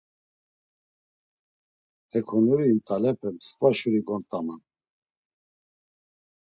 Hekonuri mt̆alepe msǩva şuri gont̆aman.